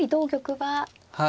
はい。